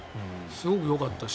すごくよかったし。